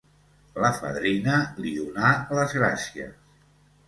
La fadrina li donà les gràcies.